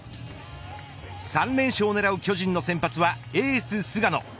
３連勝を狙う巨人の先発はエース菅野。